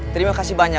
terima kasih banyak